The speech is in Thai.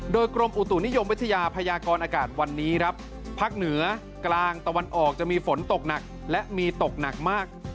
โดยกรมอุตุนิยมวิทยาพยากรอากาศวันนี้ครับภาคเหนือกลางตะวันออกจะมีฝนตกหนักและมีตกหนักมาก